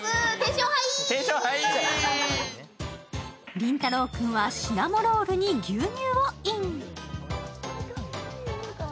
倫太郎君はシナモロールに牛乳をイン。